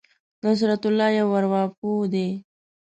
نصرت الله یو ارواپوه دی.